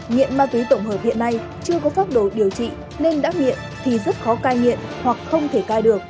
nhiện ma túy tổng hợp hiện nay chưa có pháp đồ điều trị nên đắc nghiện thì rất khó cai nhiện hoặc không thể cai được